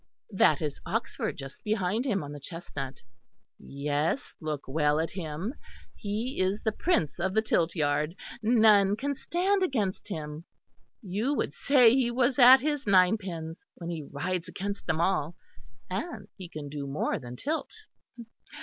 That is Oxford, just behind him on the chestnut. Yes, look well at him. He is the prince of the tilt yard; none can stand against him. You would say he was at his nine pins, when he rides against them all.... And he can do more than tilt.